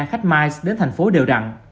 khách mice đến thành phố đều rặn